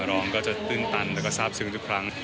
น้องก็จะตื่นตันแล้วก็ทราบซึ้งทุกครั้ง